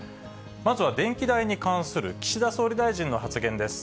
まずは電気代に関する岸田総理大臣の発言です。